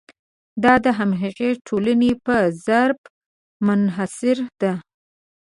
دا د همغې ټولنې په ظرف منحصره ده.